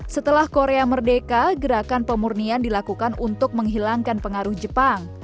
setelah korea merdeka gerakan pemurnian dilakukan untuk menghilangkan pengaruh jepang